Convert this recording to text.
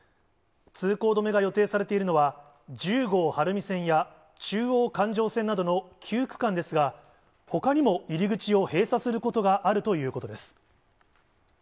通行止めが予定されているのは、１０号晴海線や中央環状線などの９区間ですが、ほかにも入り口を閉鎖することがあるということです。